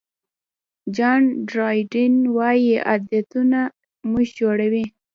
جان ډرایډن وایي عادتونه موږ جوړوي.